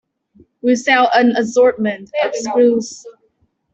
We sell an assortment of screws.